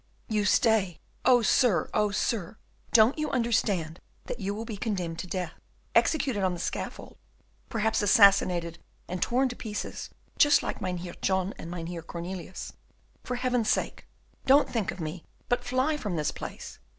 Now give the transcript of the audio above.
"You stay, oh, sir! oh, sir! don't you understand that you will be condemned to death, executed on the scaffold, perhaps assassinated and torn to pieces, just like Mynheer John and Mynheer Cornelius. For heaven's sake, don't think of me, but fly from this place.